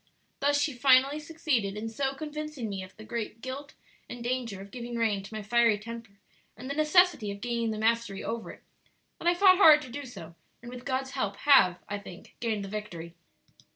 Thus she finally succeeded in so convincing me of the great guilt and danger of giving rein to my fiery temper and the necessity of gaining the mastery over it, that I fought hard to do so, and with God's help have, I think, gained the victory.